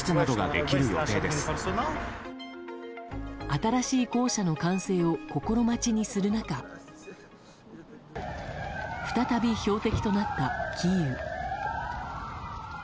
新しい校舎の完成を心待ちにする中再び標的となったキーウ。